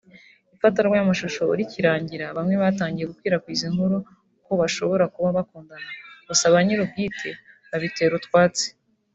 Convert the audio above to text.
Ifatwa ry’amashusho rikirangira bamwe batangiye gukwirakwiza inkuru ko bashobora kuba bakundana gusa ba nyir’ubwite babitera utwatsi